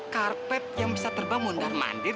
karpet yang bisa terbang mondar mandir